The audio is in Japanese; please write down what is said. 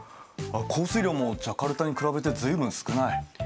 降水量もジャカルタに比べて随分少ない。